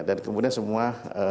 dan kemudian semua